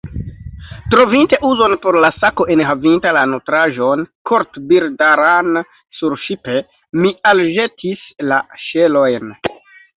Trovinte uzon por la sako enhavinta la nutraĵon kortbirdaran surŝipe, mi elĵetis la ŝelojn.